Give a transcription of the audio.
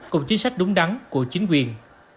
cùng chính sách đúng đắn của chính quyền